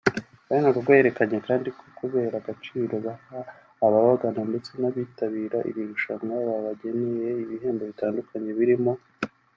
Benurugo yerekanye kandi ko kubera agaciro baha ababagana ndetse n’abitabira iri rushanwa babageneye ibihembo bitandukanye birimo